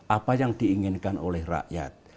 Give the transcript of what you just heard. apa yang diinginkan oleh rakyat